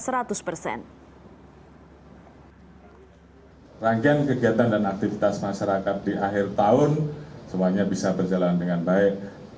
hai rangkaian kegiatan dan aktivitas masyarakat di akhir tahun semuanya bisa berjalan dengan baik